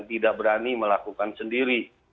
tidak berani melakukan sendiri